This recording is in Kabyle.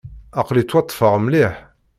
Aql-i ttwaṭṭfeɣ mliḥ.